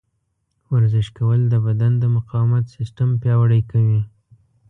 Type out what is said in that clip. ورزش کول د بدن د مقاومت سیستم پیاوړی کوي.